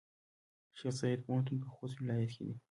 شیخزاید پوهنتون پۀ خوست ولایت کې دی.